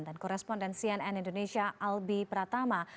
dan koresponden cnn indonesia albi pratama